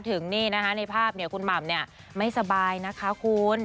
ถึงนี่นะคะในภาพเนี่ยคุณหม่ำเนี่ยไม่สบายนะคะคุณ